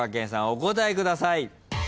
お答えください。